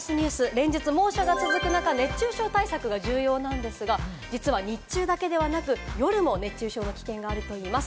連日猛暑が続く中、熱中症対策が重要なのですが、実は日中だけではなく夜も熱中症の危険があるといいます。